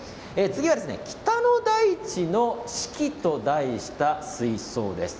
次は北の大地の四季と題した水槽です。